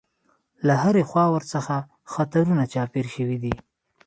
له هرې خوا ورڅخه خطرونه چاپېر شوي دي.